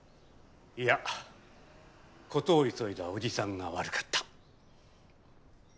いや事を急いだおじさんが悪かった。